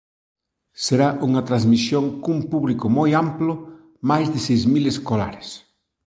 Será unha transmisión cun público moi amplo, máis de seis mil escolares